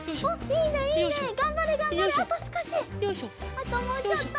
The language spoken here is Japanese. あともうちょっと！